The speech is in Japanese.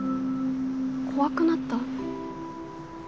怖くなった？